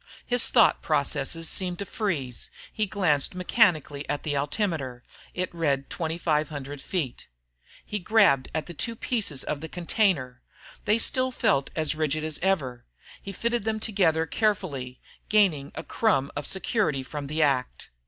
His thought processes seemed to freeze. He glanced mechanically at the altimeter. It read 2,500 feet. He grabbed at the two pieces of the container. They still felt as rigid as ever. He fitted them together carefully, gaining a crumb of security from the act.